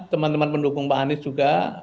teman teman pendukung pak anies juga